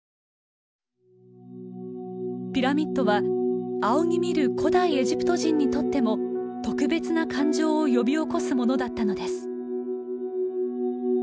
ピラミッドは仰ぎ見る古代エジプト人にとっても特別な感情を呼び起こすものだったのです。